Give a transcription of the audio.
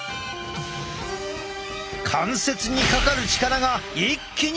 関節にかかる力が一気に増えた！